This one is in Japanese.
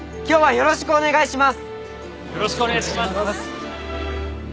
よろしくお願いします！